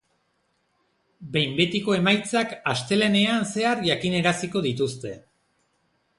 Behin betiko emaitzak astelehenean zehar jakinaraziko dituzte.